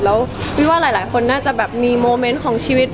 แล้ววิว่าหลายคนน่าจะมีเมิ้ลเม้นท์ของชีวิต